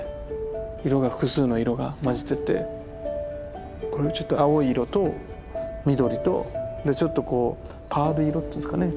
色が複数の色が混じってて青い色と緑とちょっとパール色っていうんですかね